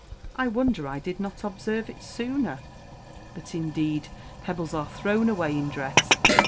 I wonder I did not observe it sooner; but, indeed, pebbles are thrown away in dress.